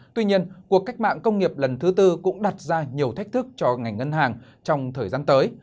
tuy nhiên cuộc cách mạng công nghiệp lần thứ tư cũng đặt ra nhiều thách thức cho ngành ngân hàng trong thời gian tới